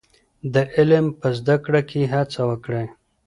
د علم په زده کړه کي هڅه وکړئ.